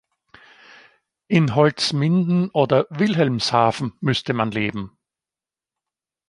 In Holzminden oder Wilhelmshaven müsste man leben.